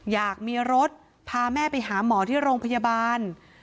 อยากมีรถพาแม่ไปหาหมอที่โรงพยาบาล